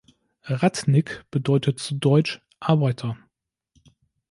Radnik bedeutet zu deutsch „Arbeiter“.